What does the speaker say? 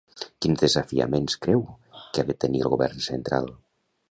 Quins desafiaments creu que ha de tenir el Govern central?